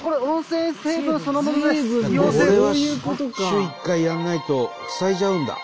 週１回やらないと塞いじゃうんだ。